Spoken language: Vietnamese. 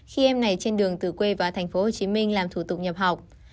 khi em này trên đường từ quê vào tp hcm làm thủ tục nhập học